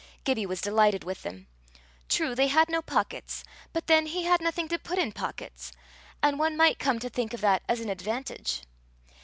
Gibbie was delighted with them. True, they had no pockets, but then he had nothing to put in pockets, and one might come to think of that as an advantage.